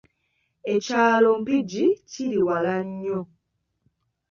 Ekyalo Mpigi kiri wala nnyo.